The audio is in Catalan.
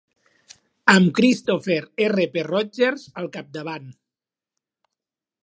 Amb Christopher R. P. Rodgers al capdavant.